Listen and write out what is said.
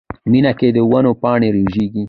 مني کې د ونو پاڼې رژېږي